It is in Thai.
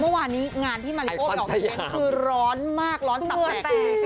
เมื่อวานี้งานที่มาริโอเป็นคือร้อนมากร้อนตับแตก